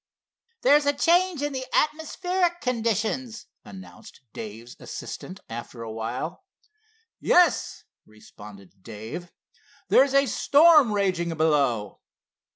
"There's a change in the atmospheric conditions," announced Dave's assistant, after a while. "Yes," responded Dave, "there's a storm raging below."